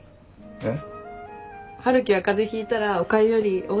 えっ？